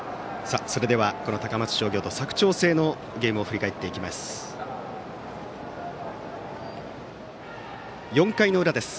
それでは高松商業と佐久長聖のゲームを振り返っていきます。